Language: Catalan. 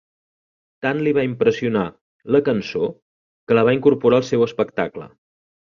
Tant li va impressionar la cançó que la va incorporar al seu espectacle.